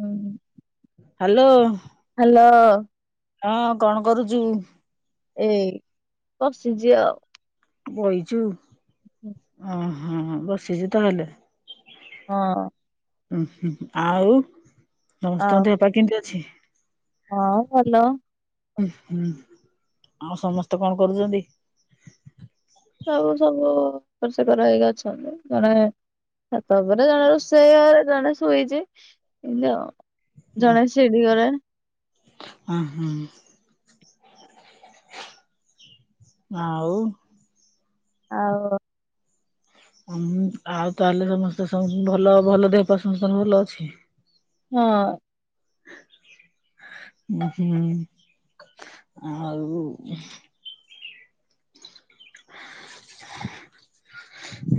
ଉଁ hello. Hello. ହଁ କଣ କରୁଚୁ? ଏଇ ବସିଚି ଆଉ। ବଇଚୁ ଓହୋ ବସିଚୁ ତାହାଲେ ହଁ ଉଁ ହୁଁ ଆଉ ସମସ୍ତଙ୍କ ଆଉ ଦେହପାଆ କେମିତି ଅଛି? ହଁ ଭଲ। ଉଁ ହୁଁ ଆଉ ସମସ୍ତେ କଣ କରୁଚନ୍ତି? ସବୁ ସବୁ ଏକର ସେକର ହେଇକି ଅଛନ୍ତି ଜଣେ ଛାତ ଉପରେ ଜଣେ, ରୋଷେଇ ଘରେ ଜଣେ, ଶୋଇଚି ଏମତି ଆଉ। ଜଣେ ସିଡ଼ି ଘରେ। ଅଁହଁ। ଆଉ? ଆଉ? ଅମ୍ ଆଉ ତାହେଲେ ସମସ୍ତେ ସମ୍ ଭଲ ଭଲ ଦେହପାଆ ସମସ୍ତଙ୍କର ଭଲ ଅଛି? ହଁ। ଉଁ ହୁଁ ଆଉ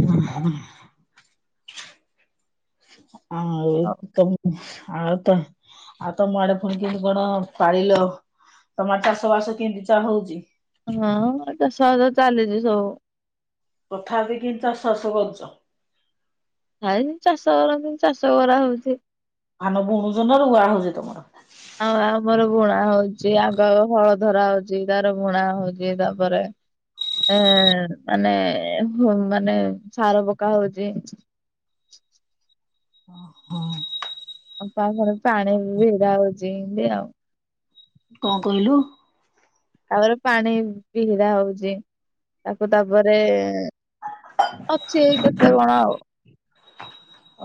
ଅହଁ। ଆଉ ତମ୍ ଆଉ ତ ଆଉ ତମ ଆଡେ ଫୁଣି କେମିତି କଣ ପାଳିଲ ତମ ଆଡ଼େ ଚାଷ ବାସ କେମତି ଚାଲ୍ ହୋଉଚି? ହଁ ଚାଷ ବାସ ଚାଲିଚି ସବୁ। ତଥାପି କିମ୍ ଚାଷ ବାସ କରୁଚ? ଆ ଏମି ଚାଷ କରନ୍ତି ଚାଷ କରା ହୋଉଚି। ଧାନ ବୁଣୁଚ ନା ରୁଆ ହୋଉଚି ତମର? ଆଉ ଆମର ବୁଣା ହୋଉଚି ଆଗ ହଳ ଧରା ହୋଉଚି ତାପରେ ବୁଣା ହୋଉଚି ତାପରେ ଏ ମାନେ ଏମ୍ ମାନେ ସାର ପକା ହୋଉଚି। ଓହୋଁ। ଆଉ ତାପରେ ପାଣି ବି ଭିଡା ହୋଉଚି ଏମତି ଆଉ। କଣ କହିଲୁ? ତାପରେ ପାଣି ଭିଡା ହୋଉଚି ତାକୁ ତାପରେ ଅଛି ଏଇ କେତେ କଣ ଆଉ।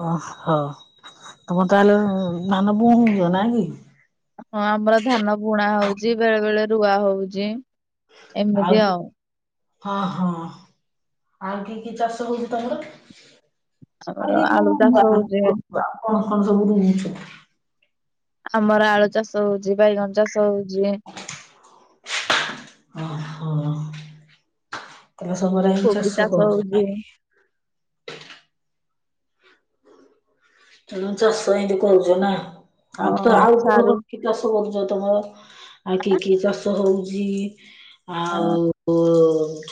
ଓହୋ ତମର ତାହେଲେ ଉମ୍ ଧାନ ବୁଣୁଚ ନାଁ କି? ହଁ ଆମର ଧାନ ବୁଣା ହୋଉଚି ବେଳେ ବେଳେ ରୁଆ ହୋଉଚି। ଆଉ ହଁ ହଁ ଆଉ କି କି ଚାଷ ହୋଉଚି ତମର? ଆଉ ଆମର ଆଳୁ [unintelligible] ଚାଷ ତମ ହଉଛି [unintelligible] କଣ ସବୁ [inaudible] ଆମର ଆଳୁ ଚାଷ ହୋଉଚି ବାଇଗଣ ଚାଷ ହୋଉଚି। ତାମର ସବୁବେଳେ ଏମି କୋବି ଚାଷ କରୁଚ ହଉଛି ନାଇଁ? ତେଣୁ ଚାଷ ହେମତି କରୁଚ ନା ଅ ଆଉ ତ ଆଉ କଣ ସାରୁ କଣ କି ଚାଷ କରୁଚ ତମର ଆଉ କି କି ଚାଷ ହୋଉଚି ଆଉ ଉ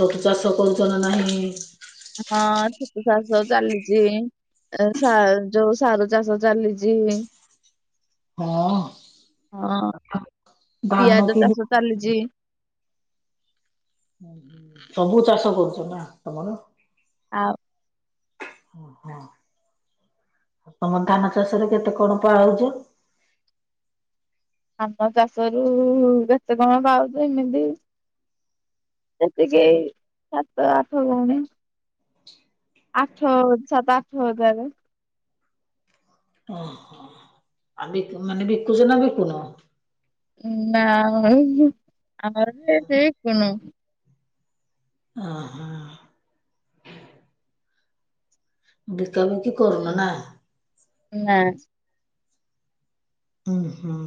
ଛତୁ ଚାଷ କରୁଚ ନା ନାହିଁ? ହଁ ଛତୁ ଚାଷ ଚାଲିଚି। ଏ ସାର ଯୋଉ ସାରୁ ଚାଷ ଚାଲିଚି। ହଁ। ହଁ ଅଁ ଧାନ ପିଆଜ କେମିତି ଚାଷ ଚାଲିଜି। ସବୁ ଚାଷ କରୁଛ ନା ତମର? ଆଉ ଓହୋ। ତମ ଧାନ ଚାଷରେ କେତେ କଣ ପାଉଚ? ଧାନ ଚାଷ ରୁ କେତେ କଣ ପାଉଛ ଏମିତି ସେତିକି ସାତ ଆଠ ଗଉଣି। [inaudible] ଆଠ ସାତ ଆଠ ହଜାର। ଓହୋ ଆଉ ବିକୁ ମାନେ ବିକୁଛ ନା ବିକୁନ। [unintelligible] ଓ ହୋ। ବିକାବିକି କରୁନ ନା। ନାଁ। ହୁଁ ହୁଁ।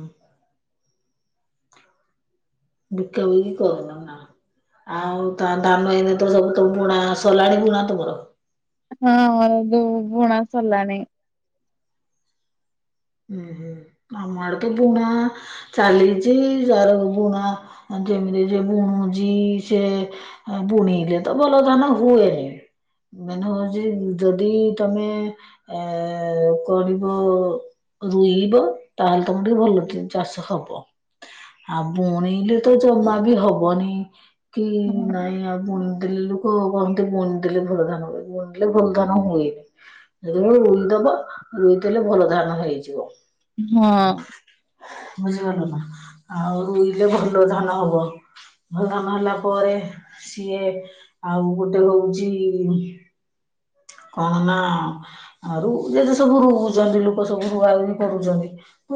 ବିକା ବିକି କରୁନା ନା। ଆଉ ତା ଧାନ ଏନ ତ ସବୁ ତ ବୁଣା ସଲାଣି ବୁଣା ତମର। ହଁ ହଁ ଯୋଉ ବୁଣା ସରଲାଣି। ହୁଁ ହୁଁ। ଆମ ଆଡେ ତ ବୁଣା ଚାଲିଛି। ସାର ବୁଣା ଯେମିତି ସେ ବୁଣୁଛି ସେ ବୁଣିଲେ ତ ଭଲ ଧାନ ହୁଏନି। ମେନ୍ ହଉଛି ଯଦି ତମେ ଏ କରିବ ରୋଇବ, ତାହେଲେ ତମର ଟିକେ ଭଲ କି ଚାଷ ହବ। ଆଉ ବୁଣିଲେ ତ ଜମା ବି ହବନି। କି ହଁ ନାଇଁ ଆ ବୁଣି ଦେଲୁ ହ କହନ୍ତି ବୁଣି ଦେଲେ ଭଲ ଧାନ ହୁଏ, ବୁଣିଲେ ଭଲ ଧାନ ହୁଏନି। [unintelligible] ହଁ। ବୁଝିପାରିଲ ନା, ଆଉ ରୋଇଲେ ଭଲ ଧାନ ହବ। ଭଲ ଧାନ ହେଲା ପରେ ସିଏ ଆଉ ଗୋଟେ ହଉଛି କଣ ନା ଆଉ ଯେତେ ସବୁ ରୁଉଛନ୍ତି ଲୋକ ସବୁ ରୁଆ ରୁଇ କରୁଛନ୍ତି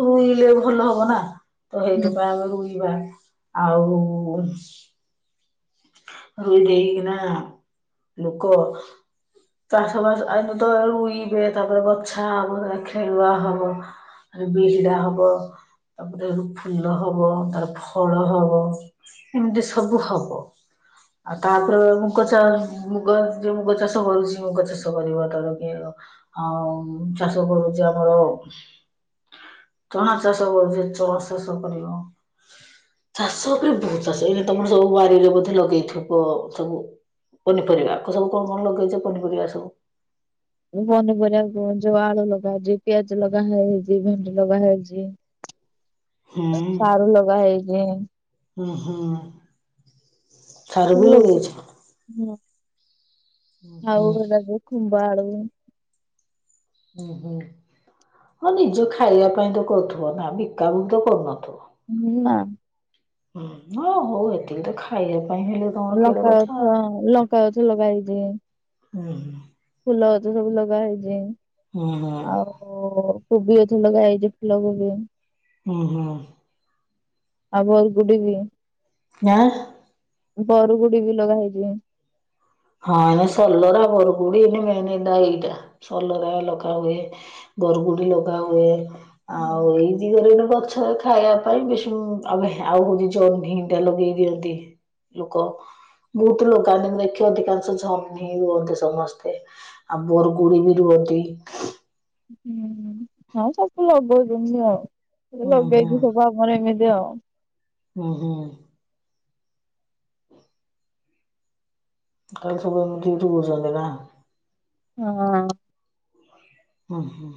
ରୁଇଲେ ଭଲ ହବ ନା। ତ ହୁଁ। ସେଇଥିପାଇଁ ଆମେ ରୋଇବା। ଆଉ ରୁଇ ଦେଇକିନା ଲୋକ ଚାଷ ବାସ ଆଗେ ତ ରୋଇବେ ତାପରେ ବଛା ହବ, ଖେଳୁଆ ହବ। ତାପରେ ବିଜଡା ହବ। ତାପରେ ଫୁଲ ହବ, ତାପରେ ଫଳ ହବ, ଏମିତି ସବୁ ହବ‌। ଆଉ ତାପରେ ମୁଗ ଚା ମୁଗ ଯେ ମୁଗ ଚାଷ କରୁଛି ମୁଗ ଚାଷ କରିବ। [unintelligible] ଆଉ ଚାଷ କରୁଛି ଆମର ଚଣା ଚାଷ ହ ଯେ ଚ ଚାଷ କରିବ। ଚାଷ ଉପରେ ବହୁତ ଚାଷ ଏଇ ତମର ସବୁ ବାରିରେ ବୋଧେ ଲଗେଇଥିବ ସବୁ ପନିପରିବା। ସବୁ କଣ କଣ ଲଗେଇଛ ପନିପରିବା ସବୁ? ପନିପରିବାକୁ ଯୋଉ ଆଳୁ ଲଗା ହେଇଚି, ପିଆଜ ଲଗା ହଉଚି, ଭେଣ୍ଡି ଲଗା ହେଇଚି। [inaudible] ସାରୁ ଲଗା ହେଇଚି। ହୁଁ ହୁଁ। ସାରୁ ବି ଲଗେଇଛ? ହୁଁ ହୁଁ [unintelligible] ହୁଁ ହୁଁ ହଁ ନିଜ ଖାଇବା ପାଇଁ ତ କରୁଥିବ ନା ବିକା ବିକି ତ କରୁନଥିବ। ନା। ହୁଁ ହଁ ହଉ ଏତିକି ତ ଖାଇବା ପାଇଁ ହେଲେ ତମର କେଡେ ଲଙ୍କା କଥା। ଗଛ ଲଙ୍କା ଗଛ ଲଗାହେଇଚି। ଉଁ, ହୁଁ। ଫୁଲ ଗଛ ସବୁ ଲଗା ହେଇଚି। ଅଁ, ହଁ। ଓ କୋବି ଗଛ ଲଗାହେଇଚି ଫୁଲ କୋବି। ଅଁ, ହଁ। ଆଉ ବରଗୁଡି ବି। ଇଆଁ। ବରୁଗୁଡି ବି ଲଗା ହେଇଛିି। ହଁ ଏ ସଲରା ବରଗୁଡି ଏଇନେ ମେନ୍ ଏଗୁଡା ଏଇଟା, ସଲରା ଲଗା ହୁଏ। ଗରଗୁଡି ଲଗା ହୁଏ, ଆଉ ଏଇ ଦି କରେ ଏଉଡା ଗଛ ଖାଇବା ପାଇଁ ବେସି ଉଁ, ଆଉ ହେ ଆଉ ହଉଚି ଜହ୍ନି ଟା ଲଗେଇ ଦିଅନ୍ତି। ଲୋକ ବହୁତ ଲଗାନ୍ତି ମୁଁ ଦେଖି ଅଧିକାଂଶ ଜହ୍ନି ରୁଅନ୍ତି ସମସ୍ତେ, ଆଉ ବରଗୁଡି ବି ରୁଅନ୍ତି। ହୁଁ। ହଁ ସବୁ ଲଗଉଚନ୍ତି ଆଉ, ଏଇ ହୁଁ ଲଗେଇଛିି ସବୁ ଆମର ଏମିତି ଆଉ। ଅଁ, ହଁ। କାଲି ସବୁଠି ଠୁ ବସନ୍ତି ନା? ହଁ। ହଁ, ହଁ।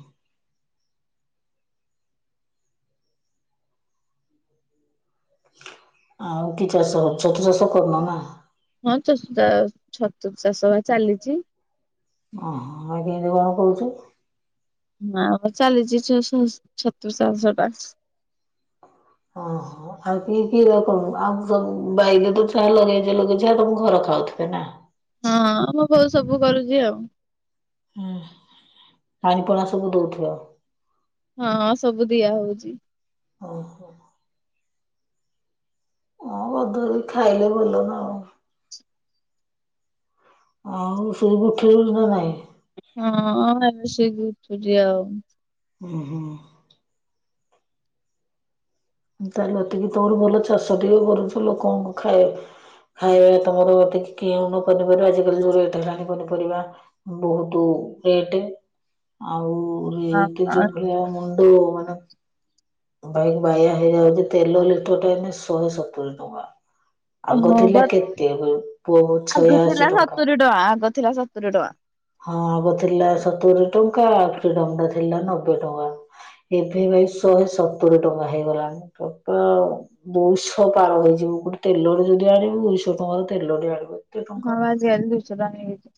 ଆଉ କି ଚାଷ, ଛତୁ ଚାଷ କରୁନ ନା? ହଁ ଚଷୁ ଚା ଛତୁ ଚାଷ ବା ଚାଲିଛି। ଅଁ, ହଁ କେମିତି କଣ କରୁଛୁ? ନା ଆମର ଚାଲିଚି ଚଷୁ ଛତୁ ଚାଷ ଟା। ଅଁ, ହଁ। ଆଉ କି କିଏ ର ଆଉ କଣ ଆଉ ସବୁ ବାଇରେ ତ ଛା ଲଗେଇଚ ଲଗେଇଛ ଆଉ ତୋମ ଘର ଖାଉଥିବେ ନା? ହଁଁ ମୋ ବୋଉ ସବୁ କରୁଛି ଆଉ। ହଁ ପାଣିପୁଳା ସବୁ ଦଉଥିବ। ହଁ ସବୁ ଦିଆ ହଉଚି। ଅଁ, ହଁ। ଅଁ, କରଧରି ଖାଇଲେ ଭଲ ନା। ଆଉ। ଆଉ ଶୁଇକି ଉଠିଲୁଣ ନା ନାଇଁ? ହଁ ଏବେ ଶୁଇକି ଉଠୁଚି ଆଉ। ଅଁ, ହଁ। ତାହେଲେ ଏତିକି ତୋମର ଭଲ ଚାଷ ଟିକେ କରୁଛ ଲୋକଙ୍କୁ ଖାଏ ଖାଇବା ଯେ ତୋମର ଅଧଧ କି କିଏ ନ କରିପାରିବ ଆଜିକାଲି ଯୋଉ ରେଟେ ହେଲାଣି ପନିପରିବା। ବହୁତୁ ରେଟେ। ଆଉ ରେଟେ ଯୋଉ ହଁ ଭଳିଆ ମୁଣ୍ଡ ମାନେ ବାଇକ୍ ବାୟା ହେ ହେଇଯାଉଚି, ତେଲ ଲିଟର୍ ଟା ଏନେ ଶହେ ସତୁୁରି ଟଙ୍କା। ଆଗ ହଁ ଥିଲା ବା କେତେ ପୋହୁ ଆଗ ଥିଲା ଛୟାଅଶୀ ଟଙ୍କା। ସତୁରି ଆଗ ଥିଲା ସତୁରି ଟଙ୍କା ହଁ ଆଗ ଥିଲା ସତୁରୀ ଟଙ୍କା ଆଉ ଫ୍ରିଡମ ଟା ଥିଲା ନବେ ଟଙ୍କା। ଏବେ ଭାଇ ଶହେ ସତୁରୀ ଟଙ୍କା ହେଇଗଲାଣି ଠକ। ଦୁଇ ଶହ ପାର ହେଇଯିବ ଗୋଟେ ତେଲ ଟେ ଯଦି ଆଣିବୁ ଦୁଇଶହ ଟଙ୍କାର ତେଲ ଟେ ଆଣିବୁ। ଏତେ ଟଙ୍କା। ହଁ ଆଜି ଆଣିଲି ଦୁଇଶହ ଟଙ୍କା ହେଇଯାଇଛି।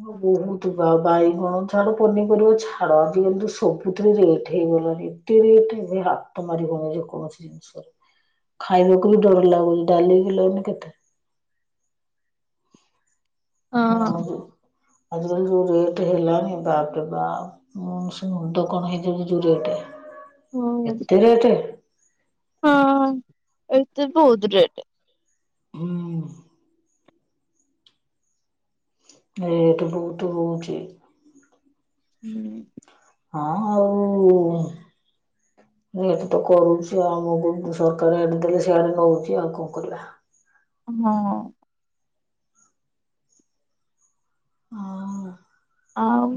ହଁ ବହୁତ ବା, ବାଇଗଣ ଛାଡ ପନିପରିବା ଛାଡ। ଆଜିକାଲି ତ ସବୁଥିରେ ରେଟ୍ ହେଇଗଲାଣି। ଏତେ ରେଟ୍ ବି ହାତ ତ ମାରିହଉନି ଯେ କୌଣସି ଜିନିଷର। ଖାଇବାକୁ ବି ଡର ଲାଗୁଛି ଡାଲିି କିଲୋ ଏଇନେ କେତେ? ହଁ ଯେ ଆଜିକାଲି ଯୋଉ ରେଟ୍ ହେଲାଣି ବାପ ରେ ବାପ। [unintelligible] ମୁଣ୍ଡ କଣ ହେଇଯାଉଚି ଯୋଉ ରେଟେ, ହଁ। ଏତେ ରେଟେ। ହଁ ଏଇଟା ବହୁତ ରେଟେ। ହୁଁ। ରେଟ ବହୁତ ହଉଛି। ହୁଁ। ହଁ ଆଉ। ରେଟ ତ କରୁଛି ଆଉ ଆମକୁ ସରକାର ଏଆଡ଼େ ଦେଲେ ସେଆଡ ନଉଛି ଆଉ କଣ କରିବା। ହଁ। ହଁ। ଆଉ।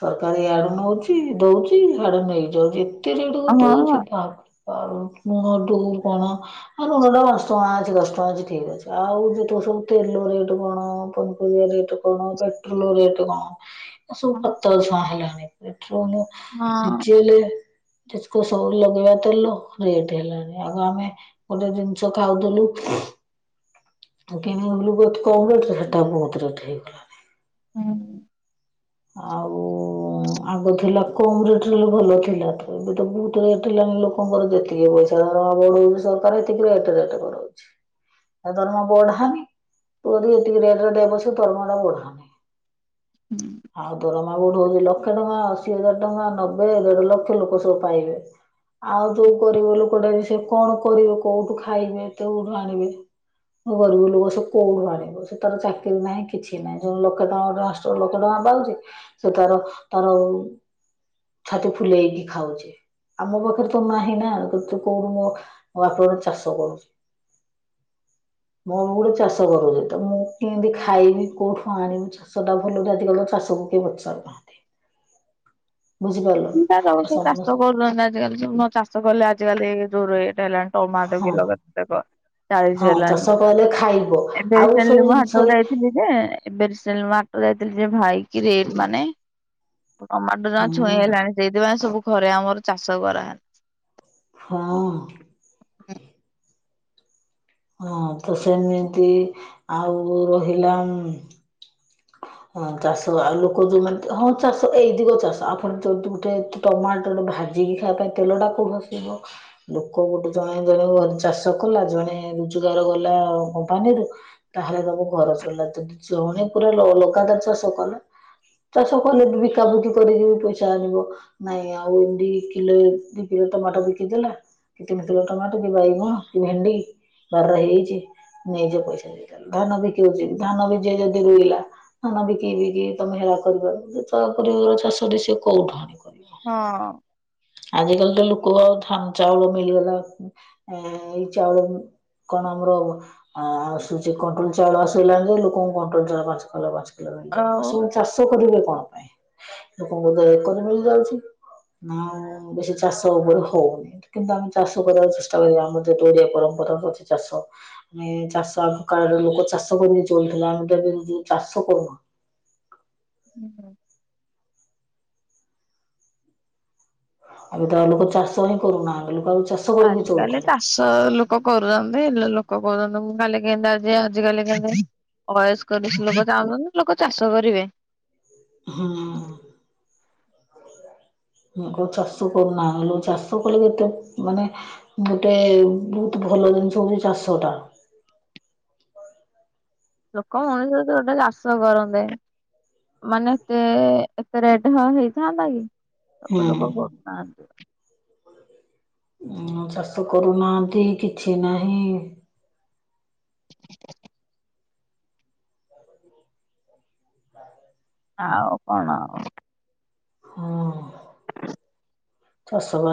ସରକାର ୟାଡେ ନଉଛି ଦଉଛି ଆଡ ନେଇଯାଉଛି ଏତେ ରେଟ କୁ ହଁ ଦଉଛି ବାକୁ ଆଉ ମୁଁହ ଟୁ କଣ ଆଉ ଲୁଣ ଟା ଦସ ଟଙ୍କା ଅଛି ଦଶ ଟଙ୍କା ଅଛି ଠିକ ଅଛି ଆଉ ଯେତ ସବୁ ତେଲ ରେଟ କଣ ପନିପରିବା ରେଟ କଣ ପେଟ୍ରୋଲ ରେଟ କଣ ପତ ଦଷ ହେଲାଣି ପେଟ୍ରୋଲ ହଁ ଡିଜଲ କୁ ସବୁ ଲଗେଇବା ତ ରେଟ ହେଲାଣି ଆଗ ଆମେ ଗୋଟେ ଜିନିଷ ଖାଉଦଲୁ କେମିତି କଲୁ ବହୁତେ କମ୍ ରେଟ ହେଟା ବହୁତ ରେଟ ହେଇଗଲା। ହଁ ଆଉ ଆଗ ଥିଲା କମ ରେଟ ରେ ଭଲ ଥିଲା ତ ଏବେ ତ ବହୁତ ରେଟ ହେଲାଣି। ଆପଣଙ୍କର ଯେତିକି ପଇସା ଧର ଭାବ ବଢଉଛି ସରକାର ଏତିକି ରେଟ ରେଟ କରାଉଛି। ତରମା ବଢାବି ତୁ ଯଦି ଏତିକି ରେଟ ରେ ଦେବସ ତରମା ଟା ବଢା ହୁଁ ଆଉ ଦରମା ବୋଠ ହଉଛି ଲକ୍ଷେ ଟଙ୍କା ଅଶି ହଜାର ଟଙ୍କା ନବେ ଦେଢ ଲକ୍ଷ ଲୋକ ସବୁ ପାଇବେ। ଆଉ ଯୋଉ ଗରିବ ଲୋକଟା ସେ କଣ କରିବେ କୋଉଠୁ ଖାଇବେ ତୋଉଠୁ ଆଣିବେ? ଗରିବ ଲୋକ ସବୁ କଉଠୁ ଆଣିବେ। ସେ ତାର ଚାକିରି ନାହିଁ କିଛି ନାହିଁ ଲୋକେ ଟଙ୍କ ଗୋଷ୍ଟର ଲୋକେ ଟଙ୍କା ପାଉଛି ସେ ତାର ତାର ଛାତି ଫୁଲେଇକି ଖାଉଛି ଆମ ପାଖରେ ତ ନାହିଁ ନା ତୁ କୋଉଠୁ ମୋ ବାପ ଚାଷ କରୁଛି। ମୋର ଗୋଟେ ଚାଷ କରୁଛି ତ ମୁଁ କେମିତି ଖାଇବି କୋଉଠୁ ଆଣିବି ଚାଷଟା ଭଲ ଆଜିକା ଚା ସବୁ କେ ବଚ ସାରିଥାନ୍ତି ବୁଝିପାରିଲ ତ ସମସ୍ତେ ଆଯିକାଲି ନ ଚାଷ କଲେ ଆଜି କାଲି ଜୋ ରେଟ ହେଲାଣି ଟମାଟୋ ହଁ କି ଲ ଚାଳିଶ ହଁ ହେଲାଣି ଚାଷ କଲେ ଖାଇବ ଆଉ ଏବେଣ ସବୁ ମୁଁ ହଟକୁ ଜିନିଷରେ ଯାଇଥିଲି। ଯେ ଏବେ ସେଟ ଯାଇଥିଲି ଯେ ଭାଇ କି ରେଟ ମାନେ ଟମାଟୋ ଯ ଅ ହଁ ସେଇଥିପାଇଁ ସବୁ ଘରେ ଆମର ଚାଷ କରା ହଁ ହଁ ତ ସେମିତି ଆଉ ରହିଲା ହଁ ଚାଷ ଆଉ ଲୋକ ଯୋଉମାନେ ହଁ ଚାଷ ଏଇ ଦିଗ ଚାଷ ଆପଣ ଯି ଗୋଟେ ଟମାଟର ଭାଜିକି ଖାଇବା ପାଇଁ ତେଲଟାକୁ ଭସିବ ଲୋକ ଗୋଟେ ଜଣେ ଜଣେ ଘ ଚାଷ କଲା ଜଣେ ରୋଜଗାର ଗଲା କମ୍ପାନୀରୁ ତାହେଲେ ତମ ଘର ଚଳିଲା ଯଦି ଜଣେ ପୁରା ଲଗାତାର ଚାଷ କରୁନ ଚାଷ କଲେ ବିକାବୁକି କରିକି ପଇସା ଆଣିବ। ନାଇଁ ଆଉ ଏମତି କିଲୋ ଦି କିଲୋ ଟମାଟୋ ବିକିଦେଲା କି ତିମି କିଲ ଟମାଟୋ କି ବାଇଗଣ କି ଭେଣ୍ଡି ବାରିରେ ହେଇଯାଇ ଛି ନେଇଯିବ ପଇସା ଦେଇ ଧାନ ବିକି ହଛି ଧାନ ବି ଯିଏ ଯଦି ରୁଇଲା ଧାନା ବିକି ବିକି ତମେ ହେରା କରପାର ତା ପରିବାର ଚାଷ ରେ ସ ସେ କୋଉଠ ଆଣିବ ହଁ ଆଜିକାଲି ତ ଲୋକ ଆଉ ଧାନ ଚାଉଳ ମିଳିଗଲା ଏ ଏଇ ଚାଉଳ କଣ ଆମର ଆସୁଛି କଣ୍ଟ୍ରୋଲ ଚାଉଳ ଆସିଲାଣି ଯେ ଲୋକଙ୍କୁ କଣ୍ଟ୍ରୋଲ ଚାଉଳ ପାଞ୍ଚ କଲ ପଞ୍ଚ ଆଉ କଲ [unintelligible] ଚାଷ କରିବେ କଣ ପାଇଁ ଲୋକଙ୍କୁ ତ ଏକରି ମିଳିଯାଉଛି ନା ବ ଚାଷ [unintelligible] ହଉନି। କିନ୍ତୁ ଆମେ ଚାଷ କରିବାକୁ ଚେଷ୍ଟା କରିବା ଆମର ଯତ ଓଡ଼ିଆ ପରମ୍ପରା ରଛି ଚାଷ ଆମେ ଚାଷ କାଳରେ ଲୋକ ଚାଷ କରି ଚଳୁଥିଲା ଆମେ ତବେ ଚାଷ କରୁ ହୁଁ ହୁଁ। ଏବେ ତ ଗାଁ ଲୋକ ଚାଷ ହିଁ କରୁନାହା ଲୋକ ଆଉ ଚାଷ କରିକି ଆଜ କାଲି ଚଳୁଥିଲେ ତା ଷ ଲୋକ କରୁଛନ୍ତି ଲୋକ କଉଛନ୍ତି ମୁଁ କାଲି କେମତି ଆଜି ଆଜି କାଲି କେନ୍ତୀ ବୟସ୍କ ସେ ଲୋକ ଚାହୁଁଛନ୍ତି ଲୋକ ଚାଷ କରିବେ। ହଁ। ଚାଷ କରୁନା ଚାଷ କଲେ ଏତେ ମାନେ ଗୋଟେ ବହୁତ ଭଲ ଜିନିଷ ହଉଛି ଚାଷଟା। ଲୋକ ମଣିଷ ତ ଗୋଟେ ଚାଷ କରନ୍ତେ ମାନେ ଏତେ ଏତେ ରେଡ ହେଇଥାନ୍ତା କି ହୁଁ। ସବୁ ଲୋକ କରୁଥାନ୍ତି। ଉ ଚାଷ କରୁନାହାନ୍ତି କିଛି ନାହିଁ [inaudible] ଆଉ କଣ? ହୁଁ। ଚାଷ ଵା